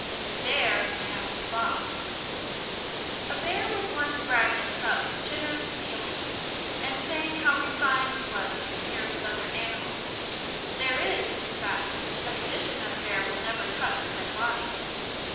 THE BEAR AND THE FOX A Bear was once bragging about his generous feelings, and saying how refined he was compared with other animals. (There is, in fact, a tradition that a Bear will never touch a dead body.)